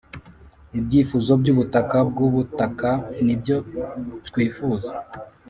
ibyifuzo byubutaka bwubutaka nibyo twifuza,